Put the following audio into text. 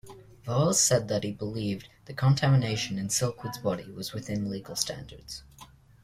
Voelz said that he believed the contamination in Silkwood's body was within legal standards.